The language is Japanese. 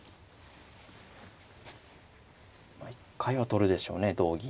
一回は取るでしょうね同銀。